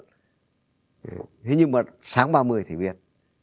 thế nhưng mà sáng ba mươi thì biết